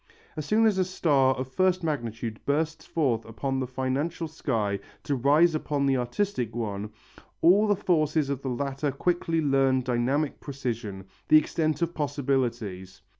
As soon as a star of first magnitude bursts forth upon the financial sky to rise upon the artistic one, all the forces of the latter quickly learn dynamic precision, the extent of possibilities.